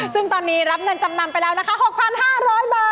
ซึ่งตอนนี้รับเงินจำนำไปแล้วนะคะ๖๕๐๐บาท